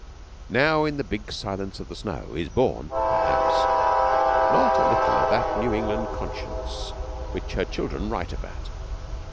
Now in the big silence of the snow is born, perhaps, not a little of that New England conscience which her children write about.